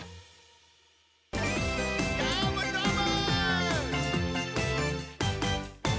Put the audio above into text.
どーもどーも！